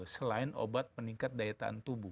selain obat meningkat daya tahan tubuh